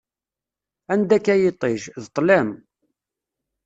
Anda-k a yiṭij, d ṭlam!